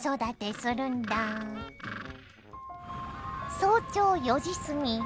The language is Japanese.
早朝４時過ぎ。